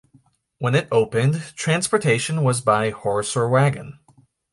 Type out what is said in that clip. When it opened, transportation was by horse or wagon.